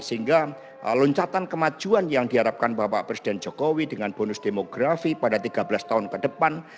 sehingga loncatan kemajuan yang diharapkan bapak presiden jokowi dengan bonus demografi pada tiga belas tahun ke depan